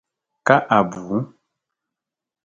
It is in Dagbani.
Ka Abu?